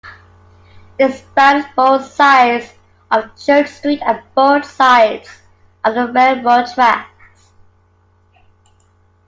It spanned both sides of Church Street and both sides of the railroad tracks.